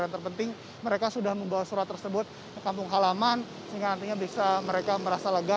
yang terpenting mereka sudah membawa surat tersebut ke kampung halaman sehingga nantinya bisa mereka merasa lega